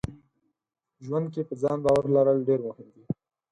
ژوند کې په ځان باور لرل ډېر مهم دي.